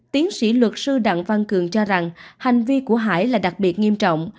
tiến sĩ luật sư đặng văn cường cho rằng hành vi của hải là đặc biệt nghiêm trọng